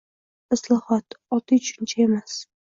«Islohot» — oddiy tushuncha emas.